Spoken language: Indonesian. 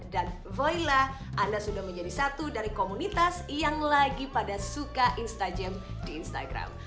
dan voi lah anda sudah menjadi satu dari komunitas yang lagi pada suka instajam di instagram